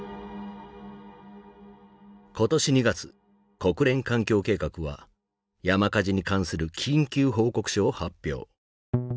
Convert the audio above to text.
今年２月国連環境計画は山火事に関する緊急報告書を発表。